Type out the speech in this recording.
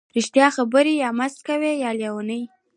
ـ رښتیا خبرې یا مست کوي یا لیوني.